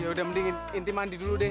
ya udah mendingin inti mandi dulu deh